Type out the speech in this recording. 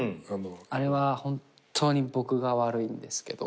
あれは本当に僕が悪いんですけど。